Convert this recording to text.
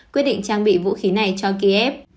quyết định trang bị vũ khí này cho kiev